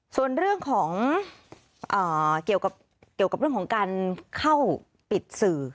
ส่วนเรื่องของเกี่ยวกับเรื่องของการเข้าปิดสื่อ